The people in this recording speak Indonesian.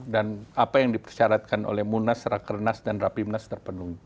dan apa yang dipersyaratkan oleh munas raker nas dan rapi munas terpenuhi